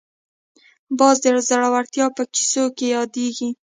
باز د زړورتیا په کیسو کې یادېږي